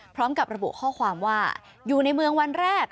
พร้อมกับระบุข้อความว่าอยู่ในเมืองวันแรก